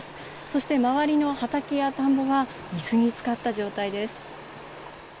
そして、周りの畑や田んぼは水につかった状態です。